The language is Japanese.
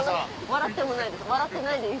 笑ってもないです